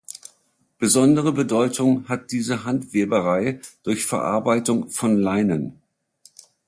Besondere Bedeutung hat diese Handweberei durch Verarbeitung von Leinen.